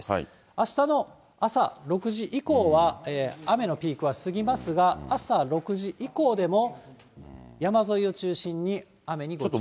あしたの朝６時以降は、雨のピークは過ぎますが、朝６時以降でも、山沿いを中心に雨にご注意ください。